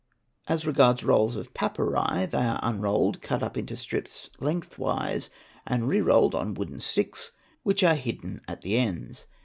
As regards rolls of papyri, they are unrolled, cut up into :_ strips lengthwise, and re rolled on wooden sticks which are hidden at the ends.